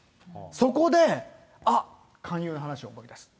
そこで、あっ、勧誘の話を思い出す。